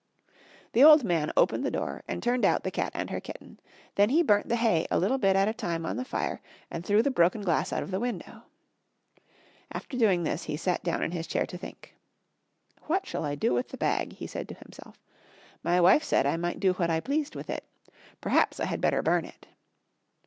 The old man opened the door and turned out the cat and her kitten. Then he burnt the hay a little bit at a time on the fire, and threw the broken glass out of the window. After doing this he sat down in his chair to think. "What shall I do with the bag?" he said to himself. "My wife said I might do what I pleased with it. Perhaps I had better burn it."